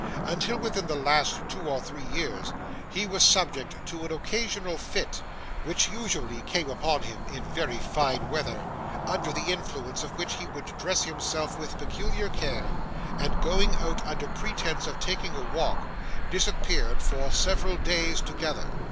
Until within the last two or three years he was subject to an occasional fit (which usually came upon him in very fine weather), under the influence of which he would dress himself with peculiar care, and, going out under pretence of taking a walk, disappeared for several days together.